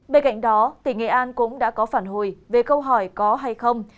bên cạnh đó tỉnh nghệ an cũng đã có phản hồi về câu hỏi có hay không